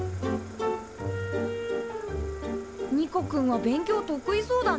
ニコくんは勉強得意そうだね。